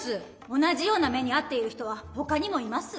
同じような目にあっている人はほかにもいます。